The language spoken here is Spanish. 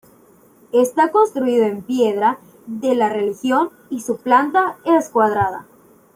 Está construido en piedra de la región y su planta es cuadrada.